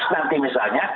jelas nanti misalnya